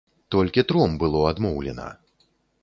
Толькі тром было адмоўлена!